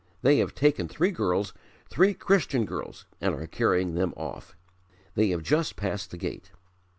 They have taken three girls, three Christian girls, and are carrying them off. They have just passed the gate.'